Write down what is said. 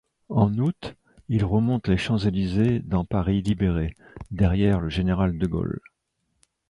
En août, il remonte les Champs-Élysées dans Paris libéré, derrière le général de Gaulle.